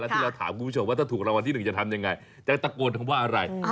แล้วที่เราถามคุณผู้ชมว่าถ้าถูกเราวันที่หนึ่งจะทำอย่างไรจะตะโกนหรือว่าอะไร